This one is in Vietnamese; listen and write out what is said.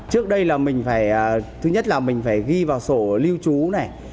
trước đây là mình phải thứ nhất là mình phải ghi vào sổ lưu trú này